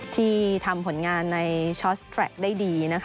ที่ทำผลงานในชอสแตรกได้ดีนะคะ